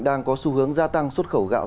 đang có xu hướng gia tăng xuất khẩu gạo